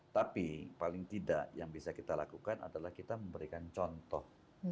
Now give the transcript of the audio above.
tapi paling tidak yang bisa kita lakukan adalah kita memberikan contoh